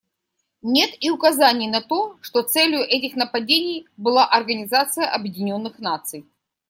Нет и указаний на то, что целью этих нападений была Организация Объединенных Наций.